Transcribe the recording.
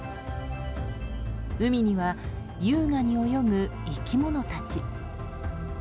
海には、優雅に泳ぐ生き物たち。